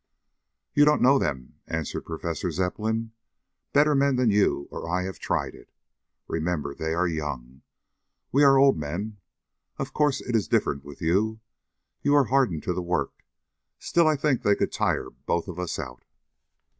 "You don't know them," answered Professor Zepplin. "Better men than you or I have tried it. Remember, they are young. We are old men. Of course, it is different with you. You are hardened to the work, still I think they could tire both of us out."